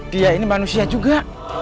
dia ini manusia juga